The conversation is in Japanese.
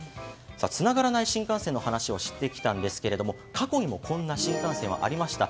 つながらない新幹線の話をしてきたんですが過去にもこんな新幹線はありました。